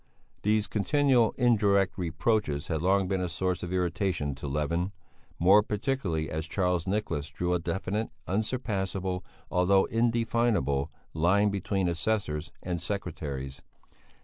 These continual indirect reproaches had long been a source of irritation to Levin, more particularly as Charles Nicholas drew a definite, unsurpassable, although indefinable, line between assessors and secretaries.